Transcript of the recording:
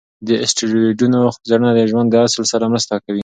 د اسټروېډونو څېړنه د ژوند د اصل سره مرسته کوي.